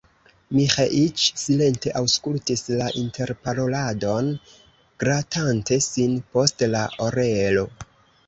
Miĥeiĉ silente aŭskultis la interparoladon, gratante sin post la orelo.